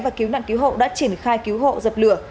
và cứu nạn cứu hộ đã triển khai cứu hộ dập lửa